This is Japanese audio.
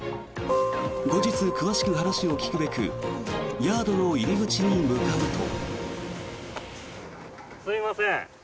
後日、詳しく話を聞くべくヤードの入り口に向かうと。